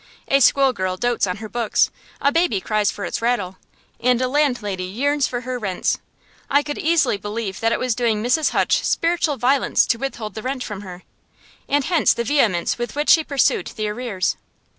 A school girl dotes on her books, a baby cries for its rattle, and a landlady yearns for her rents. I could easily believe that it was doing Mrs. Hutch spiritual violence to withhold the rent from her; and hence the vehemence with which she pursued the arrears.